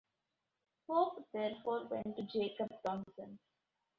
Pope therefore went to Jacob Tonson.